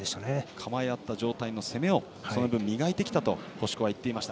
構え合った状態の攻めをその分、磨いてきたと星子は言っていました。